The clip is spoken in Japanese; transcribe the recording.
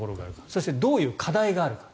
そして、どういう課題があるか。